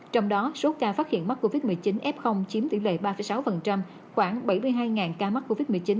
trong đó số ca phát hiện mắc covid một mươi chín f chiếm tỷ lệ ba sáu khoảng bảy mươi hai ca mắc covid một mươi chín